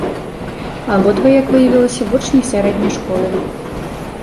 Абодва, як выявілася, вучні сярэдняй школы.